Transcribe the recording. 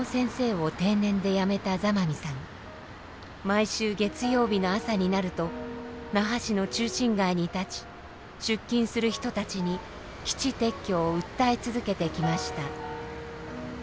毎週月曜日の朝になると那覇市の中心街に立ち出勤する人たちに基地撤去を訴え続けてきました。